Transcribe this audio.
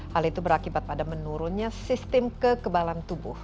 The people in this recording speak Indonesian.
hal itu berakibat pada menurunnya sistem kekebalan tubuh